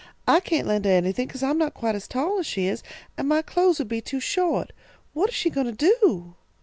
I can't lend her anything because I'm not quite as tall as she is, and my clothes would be too short. What is she goin' to do?"